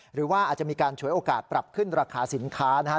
หรือว่าอาจจะมีการฉวยโอกาสปรับขึ้นราคาสินค้านะครับ